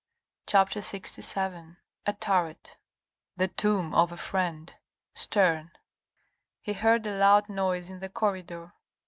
CHAPTER LXVII A TURRET The tomb of a friend. — Sterne. He heard a loud noise in the corridor.